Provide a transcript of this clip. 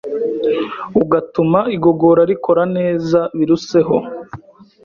ugatuma igogora rikora neza biruseho,